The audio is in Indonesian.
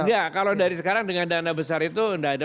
enggak kalau dari sekarang dengan dana besar itu tidak ada